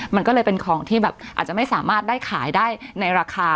มันก็เลยเป็นของที่แบบอาจจะไม่สามารถได้ขายได้ในราคา